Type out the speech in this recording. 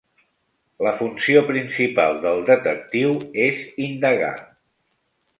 La funció principal del detectiu és indagar.